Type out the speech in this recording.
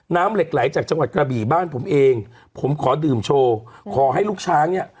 น้ำเหล็กไหลจากจังหวัดกระบี่บ้านผมเองผมขอดื่มโชว์ขอให้ลูกช้างเนี่ย